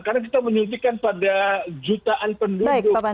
karena kita menyuntikkan pada jutaan penduduk